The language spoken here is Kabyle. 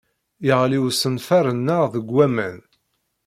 Yeɣli usenfar-nneɣ deg waman.